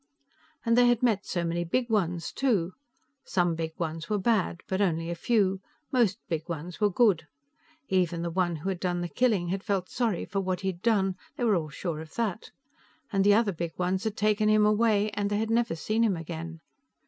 And they had met so many Big Ones, too. Some Big Ones were bad, but only a few; most Big Ones were good. Even the one who had done the killing had felt sorry for what he had done; they were all sure of that. And the other Big Ones had taken him away, and they had never seen him again.